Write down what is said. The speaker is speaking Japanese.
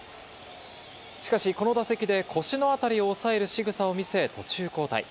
しかし、この打席で腰の辺りを押さえる仕草を見せ、途中交代。